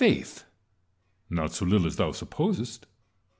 Faith ! not so little as thou supposest.